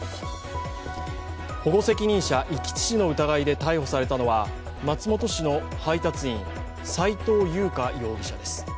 保護責任者遺棄致死の疑いで逮捕されたのは松本市の配達員、斉藤優花容疑者です。